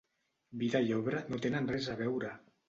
Vida i obra no tenen res a veure!